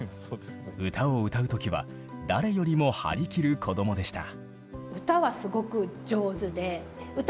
歌を歌う時は誰よりも張り切る子供でした。